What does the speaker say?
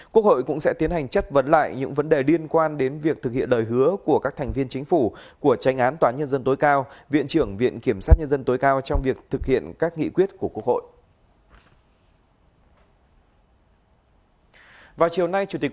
quốc hội cũng sẽ tiến hành chất vấn lại những vấn đề liên quan đến việc thực hiện lời hứa của các thành viên chính phủ của tranh án toán nhân dân tối cao viện trưởng viện kiểm sát nhân dân tối cao trong việc thực hiện các nghị quyết của quốc hội